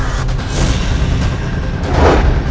aku mau kesana